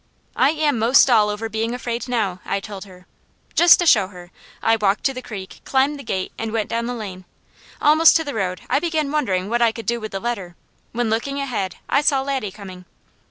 "I am most all over being afraid now," I told her. Just to show her, I walked to the creek, climbed the gate and went down the lane. Almost to the road I began wondering what I could do with the letter, when looking ahead I saw Laddie coming.